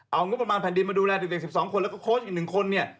เอางบประมาณแผ่นดินมาดูแลเด็ก๑๒คนแล้วก็โค้ชอีก๑คนเนี่ย